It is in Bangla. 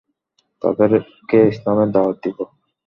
তাদেরকে ইসলামের দাওয়াত দিব।